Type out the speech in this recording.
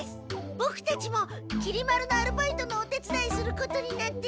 ボクたちもきり丸のアルバイトのお手つだいすることになってて。